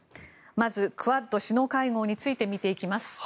まず、クアッド首脳会合について見ていきます。